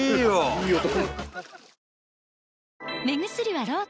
いい男！